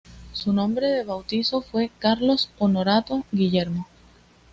Su nombre de bautizo fue Carlos Honorato Guillermo.